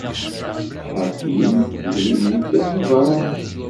Iḥerkiyen d wid yeddan d ubeṛṛani.